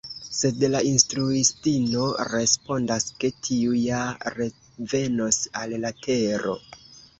Sed la instruistino respondas ke tiu ja revenos al la tero.